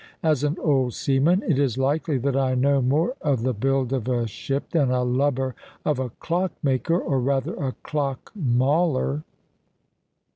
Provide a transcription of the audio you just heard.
As an old seaman, it is likely that I know more of the build of a ship than a lubber of a clock maker, or rather a clock mauler."